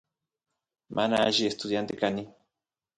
mana alli estudiante kani